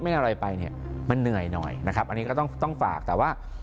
เล่นอะไรไปเนี่ยมันเหนื่อยหน่อยนะครับอันนี้ก็ต้องต้องฝากแต่ว่า